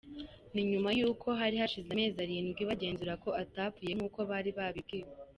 Ni nyuma yuko hari hashize amezi arindwi bagenzura ko atapfuye nkuko bari babibwiwe.